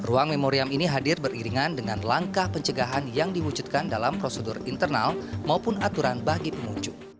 ruang memoriam ini hadir beriringan dengan langkah pencegahan yang diwujudkan dalam prosedur internal maupun aturan bagi pengunjung